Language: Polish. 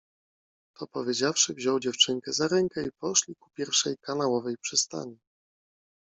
To powiedziawszy wziął dziewczynkę za ręke i poszli ku pierwszej kanałowej przystani.